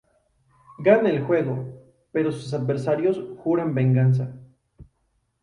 Gana el juego, pero sus adversarios juran venganza.